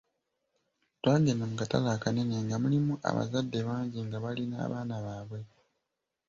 Twagenda mu katale akanene nga mulimu abazadde bangi nga bali n'abaana baabwe.